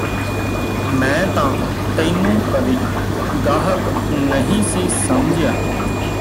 ਮੈਂ ਤਾਂ ਤੈਨੂੰ ਕਦੇ ਗਾਹਕ ਨਹੀਂ ਸੀ ਸਮਝਿਆ